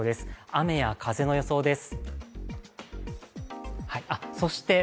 雨や風の予想です。